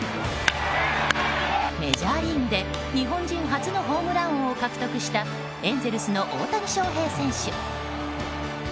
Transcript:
メジャーリーグで日本人初のホームラン王を獲得したエンゼルスの大谷翔平選手。